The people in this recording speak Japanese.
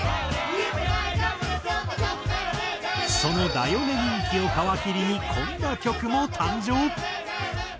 その『ＤＡ．ＹＯ．ＮＥ』人気を皮切りにこんな曲も誕生。